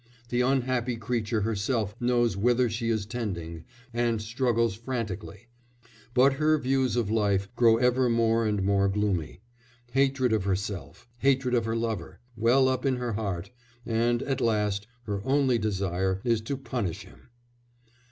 The unhappy creature herself knows whither she is tending, and struggles frantically, but her views of life grow ever more and more gloomy; hatred of herself, hatred of her lover, well up in her heart, and, at last, her only desire is to punish him.